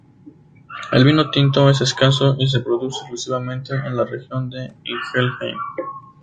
El vino tinto es escaso y se produce exclusivamente en la región de Ingelheim.